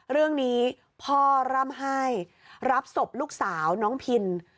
เรื่องนี้พ่อร่ำไห้รับศพลูกสาวน้องพิน